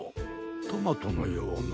トマトのような。